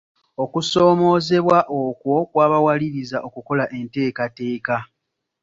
Okusoomoozebwa okwo kwabawaliriza okukola enteekateeka.